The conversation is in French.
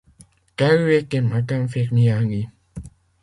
Telle était madame Firmiani.